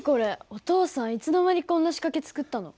お父さんいつの間にこんな仕掛け作ったの？